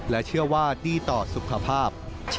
และเชื่อว่าดีต่อสุขภาพ